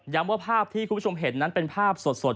ว่าภาพที่คุณผู้ชมเห็นนั้นเป็นภาพสด